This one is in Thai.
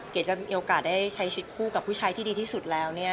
จะมีโอกาสได้ใช้ชีวิตคู่กับผู้ชายที่ดีที่สุดแล้วเนี่ย